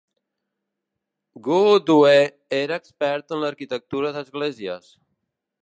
Goodhue era expert en l'arquitectura d'esglésies.